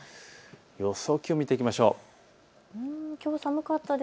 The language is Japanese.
予想気温、見ていきましょう。